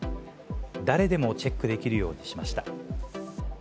誰でもチェックできるようにしました。